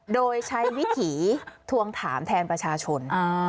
โดยใช้วิถีทวงถามแทนประชาชน